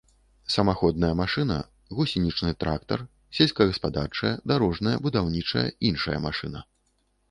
Самаходная машына — гусенічны трактар, сельскагаспадарчая, дарожная, будаўнічая, іншая машына